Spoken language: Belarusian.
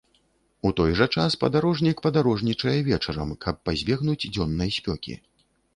У той жа час падарожнік падарожнічае вечарам, каб пазбегнуць дзённай спёкі.